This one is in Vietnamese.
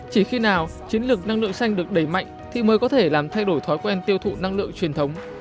chỉ khi nào chiến lược năng lượng xanh được đẩy mạnh thì mới có thể làm thay đổi thói quen tiêu thụ năng lượng truyền thống